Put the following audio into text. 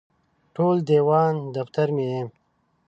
ټول دیوان دفتر مې یې